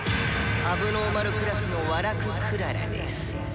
「問題児クラスのウァラク・クララです。